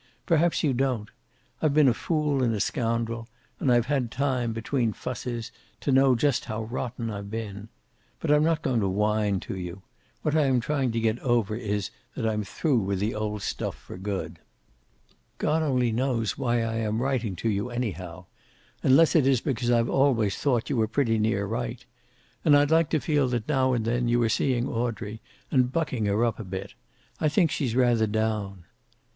Perhaps you don't. I'd been a fool and a scoundrel, and I've had time, between fusses, to know just how rotten I've been. But I'm not going to whine to you. What I am trying to get over is that I'm through with the old stuff for good. "God only knows why I am writing to you, anyhow unless it is because I've always thought you were pretty near right. And I'd like to feel that now and then you are seeing Audrey, and bucking her up a bit. I think she's rather down.